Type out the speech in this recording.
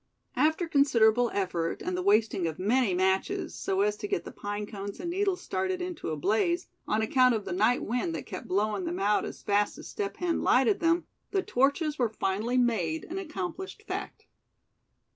After considerable effort, and the wasting of many matches, so as to get the pine cones and needles started into a blaze, on account of the night wind that kept blowing them out as fast as Step Hen lighted them, the torches were finally made an accomplished fact.